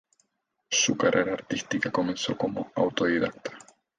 Su carrera artística comenzó como autodidacta.